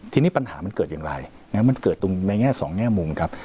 ทีนี้ปัญหามันเกิดอย่างไรมันเกิดตรงในแง่สองแง่มุมครับ